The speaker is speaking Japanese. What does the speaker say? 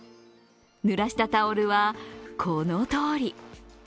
ぬらしたタオルは、このとおり。